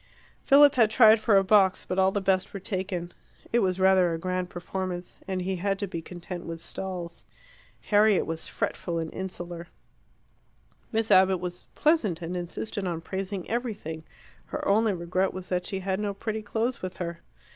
Philip had tried for a box, but all the best were taken: it was rather a grand performance, and he had to be content with stalls. Harriet was fretful and insular. Miss Abbott was pleasant, and insisted on praising everything: her only regret was that she had no pretty clothes with her.